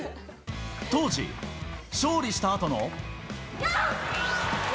当時、勝利したあとの。